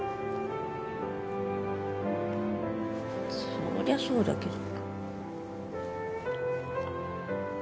そりゃそうだけど。